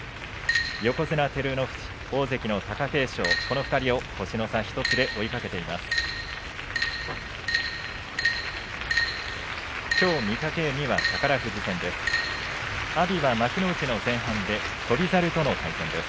横綱照ノ富士、大関貴景勝この２人を星の差１つで追いかけています。